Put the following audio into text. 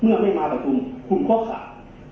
เมื่อไม่มาประทุมคุณก็ขาด